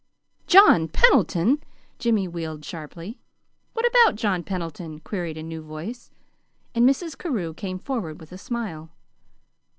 "JOHN PENDLETON!" Jimmy wheeled sharply. "What about John Pendleton?" queried a new voice; and Mrs. Carew came forward with a smile.